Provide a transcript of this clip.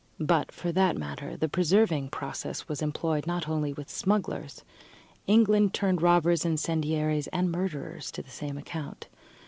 But, for that matter, the preserving process was employed not only with smugglers. England turned robbers, incendiaries, and murderers to the same account.